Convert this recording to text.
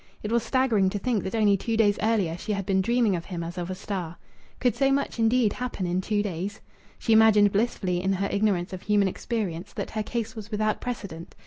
It was staggering to think that only two days earlier she had been dreaming of him as of a star. Could so much, indeed, happen in two days? She imagined blissfully, in her ignorance of human experience, that her case was without precedent.